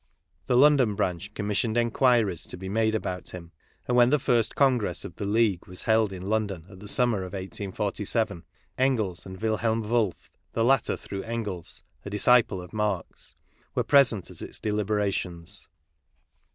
The London branch commissioned inquiries to be made about him, and when the first Congress of the League was held in London in the summer of 1847, Engels and Wilhelm Wolff, the latter, through Engels, a disciple of Marx, were present at its deliberations.